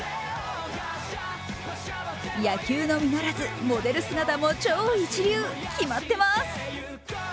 野球のみならずモデル姿も超一流、キマッてます